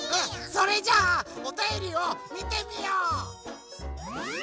それじゃあおたよりをみてみよう！